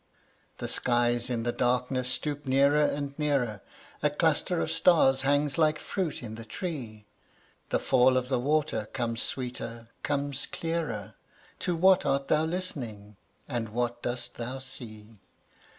"The skies in the darkness stoop nearer and nearer, A cluster of stars hangs like fruit in the tree, The fall of the water comes sweeter, comes clearer: To what art thou listening, and what dost thou see?